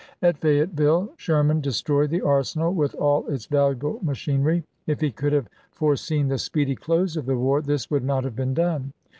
At Fayetteville Sherman destroyed the arsenal with all its valuable machinery. If he could have fore seen the speedy close of the war this would not have been done.